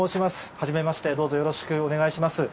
はじめまして、どうぞよろしくお願いします。